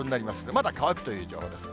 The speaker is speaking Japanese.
まだ乾くという情報です。